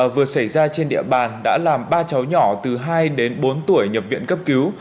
vừa xảy ra trên địa bàn đã làm ba cháu nhỏ từ hai đến bốn tuổi nhập viện cấp cứu